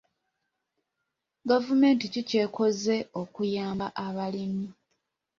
Gavumenti ki ky'ekoze okuyamba abalimi?